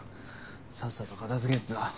さっさと片づけっぞ。